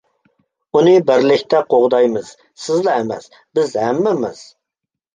-ئۇنى بىرلىكتە قوغدايمىز. سىزلا ئەمەس، بىز ھەممىمىز!